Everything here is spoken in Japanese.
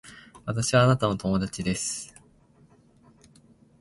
私はあなたの友達です